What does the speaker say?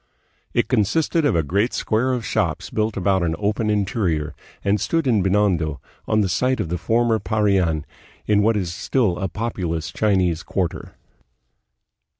It consisted of a great square of shops built about an open interior, and stood in Binondo, on the site of the former Parian, in what is still a populous Chinese quarter.